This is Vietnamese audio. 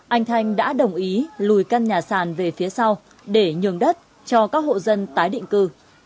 anh thanh đã đồng ý lùi căn nhà sàn về phía sau để nhường đất cho các hộ dân tái định cư